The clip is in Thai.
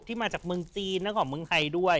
ที่มาจากเมืองจีนนอกแต่เมืองไทยด้วย